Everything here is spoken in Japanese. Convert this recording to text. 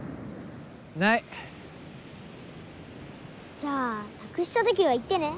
じゃあなくした時は言ってね。